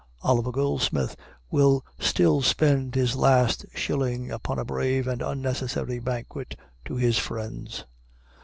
Oliver Goldsmith will still spend his last shilling upon a brave and unnecessary banquet to his friends.